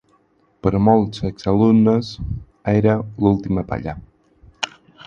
Per a molts exalumnes, era l'última palla.